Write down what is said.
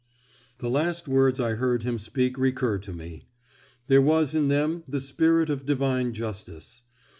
The last words I heard him speak recur to me. There was in them the spirit of Divine justice.